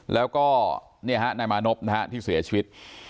แล้วก็นี่ฮะนายมานพนะฮะที่เสียชีวิต